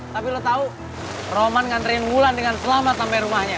tapi lo tau rohman nganterin mulan dengan selamat sampai rumahnya